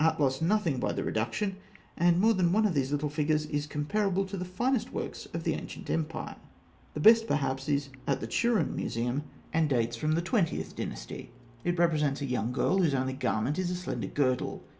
Art lost nothing by the reduction, and more than one of these little figures is comparable to the finest works of the ancient empire. The best, perhaps, is at the Turin Museum, and dates from the Twentieth Dynasty. It represents a young girl whose only garment is a slender girdle.